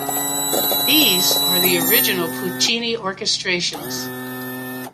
These are the original Puccini orchestrations.